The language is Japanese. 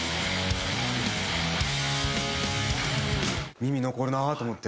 耳に残るなあと思って。